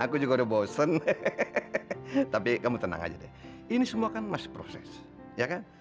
aku juga udah bosen tapi kamu tenang aja deh ini semua kan masih proses ya kan